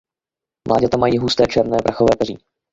Mláďata mají husté černé prachové peří.